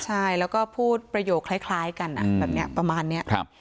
ใช่แล้วก็พูดประโยคคล้ายกันแบบนี้ประมาณนี้